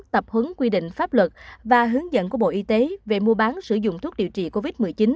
tập huấn quy định pháp luật và hướng dẫn của bộ y tế về mua bán sử dụng thuốc điều trị covid một mươi chín